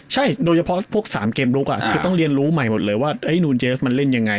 ใช่โดยเฉพาะพวก๓เกมลุกคือต้องเรียนรู้ใหม่หมดเลยว่าไอ้นูนเจสมันเล่นยังไง